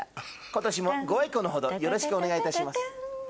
今年もご愛顧のほどよろしくお願いいたします。